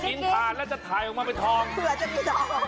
กินทานแล้วจะถ่ายออกมาเป็นทอง